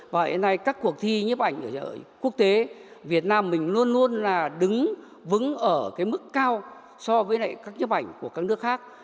và các cuộc thi nhiệm ảnh quốc tế việt nam mình luôn luôn đứng vững ở mức cao so với các nhiệm ảnh của các nước khác